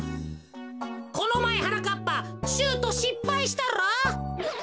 このまえはなかっぱシュートしっぱいしたろ。